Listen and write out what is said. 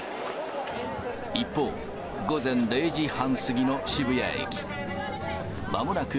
一方、午前０時半過ぎの渋谷駅。